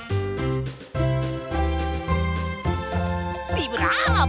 ビブラーボ！